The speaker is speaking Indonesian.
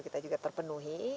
kita juga terpenuhi